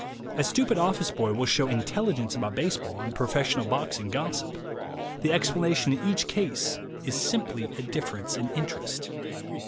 A stupid office boy will show intelligence about baseball and professional boxing gossip. The explanation in each case is simply a difference in interest.